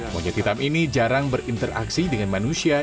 monyet hitam ini jarang berinteraksi dengan manusia